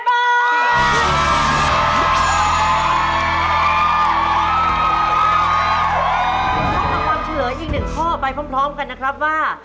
พบความเฉลยอีกหนึ่งข้อไปพร้อมกันนะครับว่า